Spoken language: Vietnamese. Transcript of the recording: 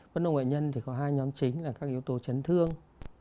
bất nội ngoại nhân thì có hai nhóm chính là các yếu tố chấn thương